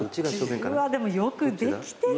でもよくできてる！